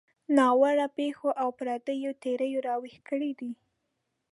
ناوړه پېښو او پردیو تیریو راویښ کړي دي.